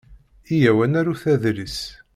Iyyaw ad narut adlis.